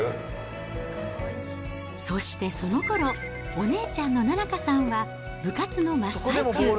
そしてそのころ、お姉ちゃんの菜々花さんは、部活の真っ最中。